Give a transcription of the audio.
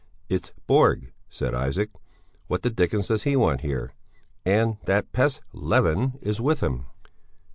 "It's Borg," said Isaac. "What the dickens does he want here? And that pest, Levin, is with him!"